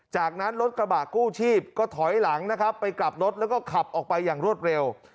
จากนั้นรถกระบะกู้ชีพก็ถอยหลังนะครับไปกลับรถแล้วก็ขับออกไปอย่างรวดเร็ว